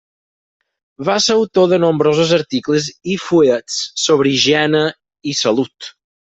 Va ser autor de nombrosos articles i fullets sobre higiene i salut.